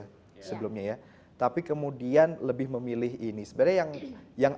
latar belakang bisnis ya sebelumnya ya tapi kemudian lebih memilih ini sebenarnya yang yang